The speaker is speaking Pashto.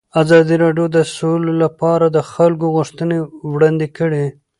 ازادي راډیو د سوله لپاره د خلکو غوښتنې وړاندې کړي.